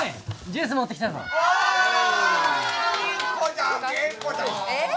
ジュース持ってきたぞえっ？